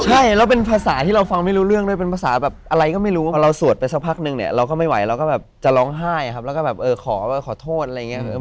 ใช่แล้วเป็นภาษาที่เราฟังไม่รู้เรื่องด้วยเป็นภาษาแบบอะไรก็ไม่รู้พอเราสวดไปสักพักนึงเนี่ยเราก็ไม่ไหวเราก็แบบจะร้องไห้ครับแล้วก็แบบเออขอขอโทษอะไรอย่างนี้